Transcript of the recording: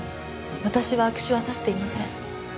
私は悪手は指していません。